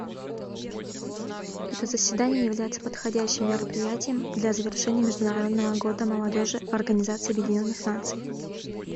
Это заседание является подходящим мероприятием для завершения Международного года молодежи в Организации Объединенных Наций.